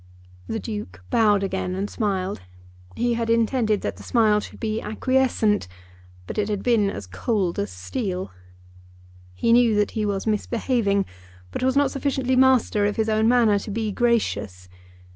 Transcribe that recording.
The Duke bowed again and smiled. He had intended that the smile should be acquiescent, but it had been as cold as steel. He knew that he was misbehaving, but was not sufficiently master of his own manner to be gracious.